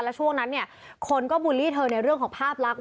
แล้วช่วงนั้นเนี่ยคนก็บูลลี่เธอในเรื่องของภาพลักษณ์